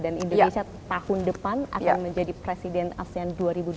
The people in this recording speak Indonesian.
dan indonesia tahun depan akan menjadi presiden asean dua ribu dua puluh tiga